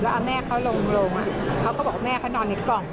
แล้วเอาแม่เขาลงตอนนัดบอกแม่เขานอนในกล่อง